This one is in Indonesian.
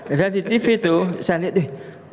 ada di tv tuh saya lihat nih